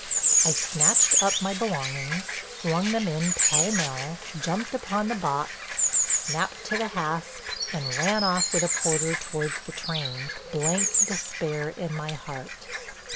I snatched up my belongings, flung them in pell mell, jumped upon the box, snapped to the hasp, and ran off with a porter towards the train, blank despair in my heart.